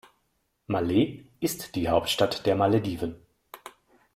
Malé ist die Hauptstadt der Malediven.